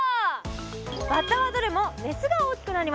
バッタはどれもメスが大きくなります。